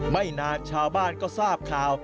ไม่นานชาวบ้านก็ทราบข่าว